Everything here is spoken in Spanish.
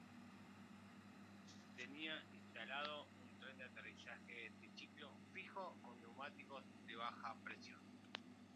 Tenía instalado un tren de aterrizaje triciclo fijo con neumáticos de baja presión.